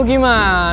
nanti gue jalan